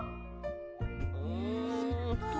うんと。